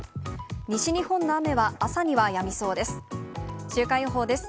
西日本の雨は朝にはやみそうです。